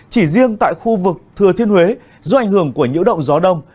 chỉ riêng tại khu vực thừa thiên huế do ảnh hưởng của nhiễu động gió đông